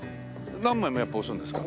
何枚もやっぱ押すんですか？